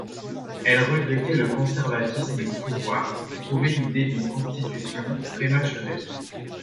Elle regrettait le conservatisme du pouvoir qui trouvait l'idée d'une Constitution prématurée.